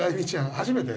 初めて？